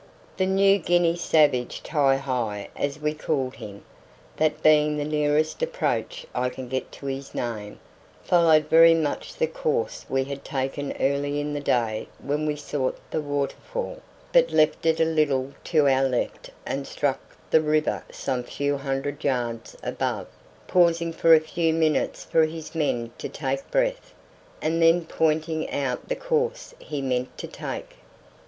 The New Guinea savage Ti hi as we called him, that being the nearest approach I can get to his name, followed very much the course we had taken early in the day when we sought the waterfall, but left it a little to our left and struck the river some few hundred yards above, pausing for a few minutes for his men to take breath, and then pointing out the course he meant to take.